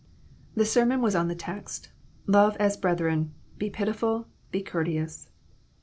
The sermon was on the text :" Love as breth ren, be pitiful, be courteous."